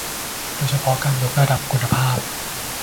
โดยเฉพาะการยกระดับคุณภาพ